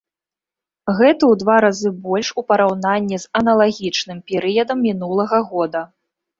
Гэта ў два разы больш у параўнанні з аналагічным перыядам мінулага года.